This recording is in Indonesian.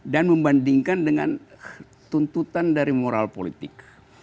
membandingkan dengan tuntutan dari moral politik